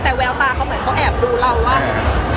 แต่แววตาเขาเหมือนเขาแอบดูเราว่า